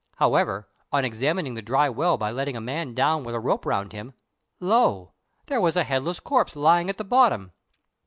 However, on examining the dry well by letting a man down with a rope round him, lo! there was a headless corpse lying at the bottom.